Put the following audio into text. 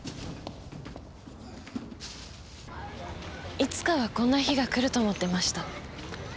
いつかはこんな日が来ると思ってました。